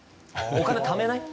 お金ためない？